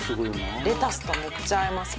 レタスとめっちゃ合います